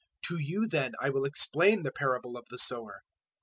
013:018 "To you then I will explain the parable of the Sower.